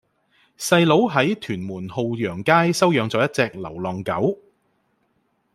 細佬喺屯門浩洋街收養左一隻流浪狗